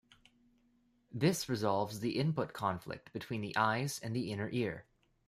This resolves the input conflict between the eyes and the inner ear.